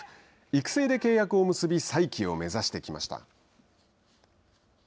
育成で契約を結び再起を目指してきました。